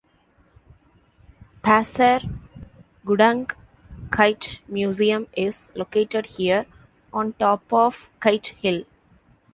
Pasir Gudang Kite Museum is located here, on top of Kite Hill.